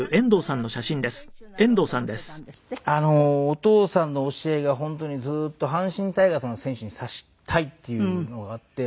お父さんの教えが本当にずっと阪神タイガースの選手にさせたいっていうのがあって。